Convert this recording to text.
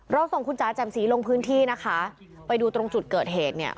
ส่งคุณจ๋าแจ่มสีลงพื้นที่นะคะไปดูตรงจุดเกิดเหตุเนี่ย